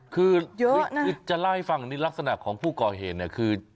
คือจะเล่าให้ฟังนิดลักษณะของผู้ก่อเหตุเนี่ยคือ